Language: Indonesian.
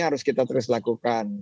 harus kita terus lakukan